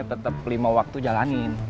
tetep limau waktu jalanin